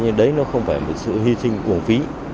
nhưng đấy không phải sự hy sinh của phí